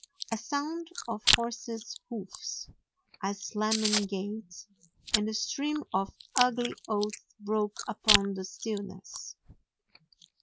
A sound of horse's hoofs, a slamming gate, and a stream of ugly oaths broke upon the stillness.